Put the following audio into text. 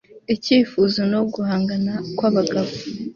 Icyifuzo no guhangana kwabagabo